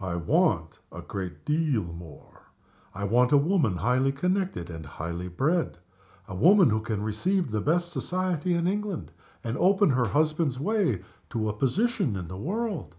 "I want a great deal more. I want a woman highly connected and highly bred a woman who can receive the best society in England, and open her husband's way to a position in the world."